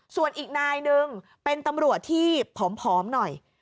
ส่วนอีกนายหนึ่งเป็นตำรวจที่ผอมหน่อย